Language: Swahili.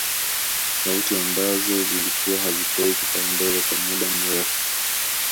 Sauti ambazo zilikuwa hazipewi kipaumbele kwa muda mrefu